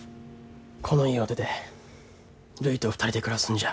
この家を出てるいと２人で暮らすんじゃ。